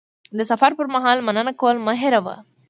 د سفر پر مهال مننه کول مه هېروه.